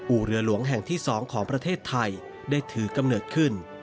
เรือหลวงแห่งที่๒ของประเทศไทยได้ถือกำเนิดขึ้น